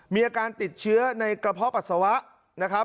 มีอาการติดเชื้อในกระเพาะปัสสาวะนะครับ